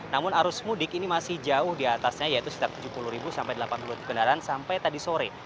namun arus mudik ini masih jauh diatasnya yaitu sekitar tujuh puluh sampai delapan puluh kendaraan sampai tadi sore